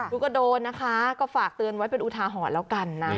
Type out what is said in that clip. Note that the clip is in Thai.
คุณก็โดนนะคะก็ฝากเตือนไว้เป็นอุทาหรอกันนะ